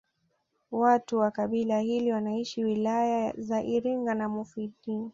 Watu wa kabila hili wanaishi wilaya za Iringa na Mufindi